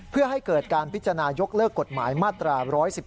เพื่อให้เกิดการพิจารณายกเลิกกฎหมายมาตรา๑๑๒